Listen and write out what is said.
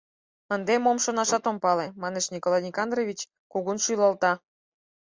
— Ынде мом шонашат ом пале, — манеш Николай Никандрович, кугун шӱлалта.